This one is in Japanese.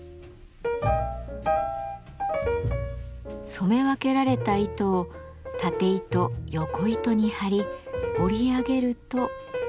染め分けられた糸を縦糸横糸に張り織り上げると。